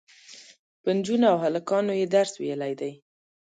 په نجونو او هلکانو یې درس ویلی دی.